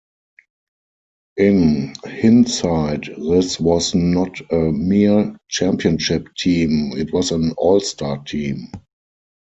In hindsight, this was not a mere championship team; it was an all-star team.